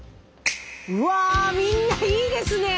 うわみんないいですね！